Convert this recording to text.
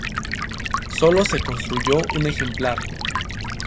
Sólo se construyó un ejemplar.